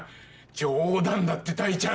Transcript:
冗談だって大ちゃん